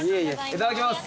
いただきます